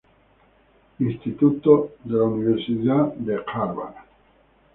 Institute de la Universidad Harvard.